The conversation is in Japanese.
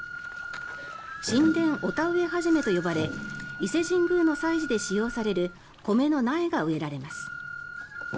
神田御田植初と呼ばれ伊勢神宮の祭事で使用される米の苗が植えられます。